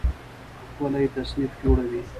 ښکلی تصنیف جوړوي